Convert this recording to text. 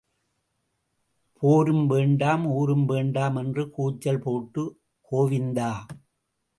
போரும் வேண்டாம், ஊரும் வேண்டாம் என்று கூச்சல் போட்டு கோவிந்தா!